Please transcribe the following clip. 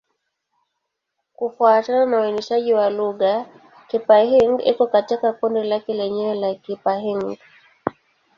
Kufuatana na uainishaji wa lugha, Kipa-Hng iko katika kundi lake lenyewe la Kipa-Hng.